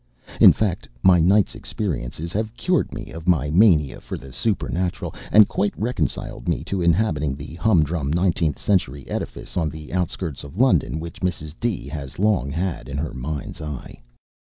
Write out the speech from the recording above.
In fact my night's experiences have cured me of my mania for the supernatural, and quite reconciled me to inhabiting the humdrum nineteenth century edifice on the outskirts of London which Mrs. D. has long had in her mind's eye.